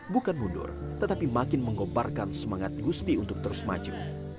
bukan mundur tetapi makin menggomparkan semangat gusmi untuk terus maju